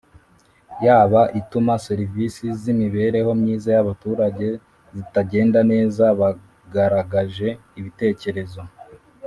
Yaba ituma serivisi z imibereho myiza y abaturage zitagenda neza bagarageje ibitekerezo